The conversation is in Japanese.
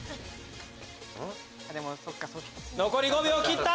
残り５秒切った！